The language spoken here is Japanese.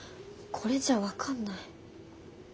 これじゃ分かんない。